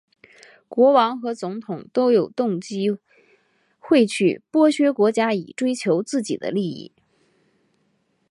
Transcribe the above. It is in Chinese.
国王和总统都有动机会去剥削国家以追求自己的利益。